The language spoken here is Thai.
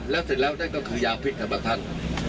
เสร็จแล้วนั่นก็คือยาพิษของท่าน